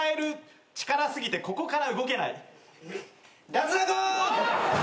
脱落！